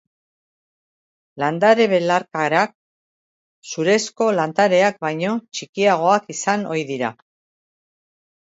Landare belarkarak zurezko landareak baino txikiagoak izan ohi dira.